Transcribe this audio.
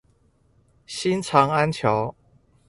新長安橋